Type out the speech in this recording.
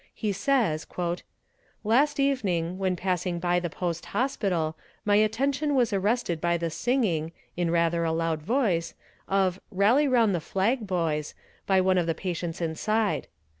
He says: "Last evening, when passing by the post hospital, my attention was arrested by the singing, in rather a loud voice, of 'Rally round the flag, boys,' by one of the patients inside.